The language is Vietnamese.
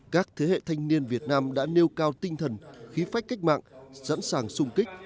các thế hệ thanh niên việt nam đã nêu cao tinh thần khí phách cách mạng sẵn sàng sung kích